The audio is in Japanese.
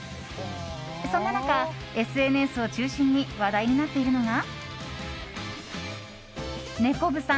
そんな中、ＳＮＳを中心に話題になっているのが。